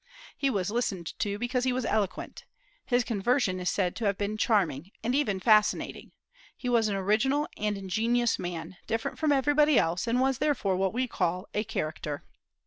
He was listened to because he was eloquent. His conversation is said to have been charming, and even fascinating. He was an original and ingenious man, different from everybody else, and was therefore what we call "a character."